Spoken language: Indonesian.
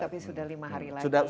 tapi sudah lima hari lagi